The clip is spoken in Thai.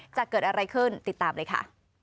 จะเกิดอะไรขึ้นติดตามเลยค่ะ